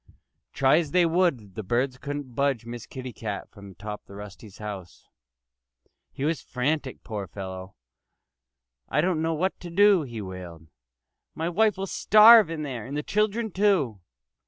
Try as they would, the birds couldn't budge Miss Kitty Cat from the top of Rusty's house. He was frantic, poor fellow! "I don't know what to do," he wailed. "My wife will starve in there and the children, too."